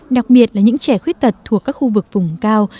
đặc biệt là những trẻ khuyết tật thuộc các khu vực vùng cao